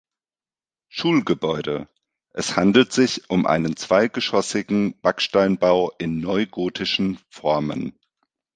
Schulgebäude: Es handelt sich um einen zweigeschossigen Backsteinbau in neugotischen Formen.